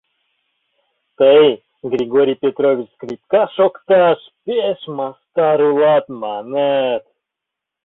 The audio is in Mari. — Тый, Григорий Петрович, скрипка шокташ пеш мастар улат, маныт.